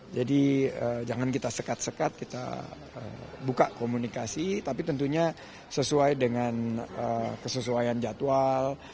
jadi jangan kita sekat sekat kita buka komunikasi tapi tentunya sesuai dengan kesesuaian jadwal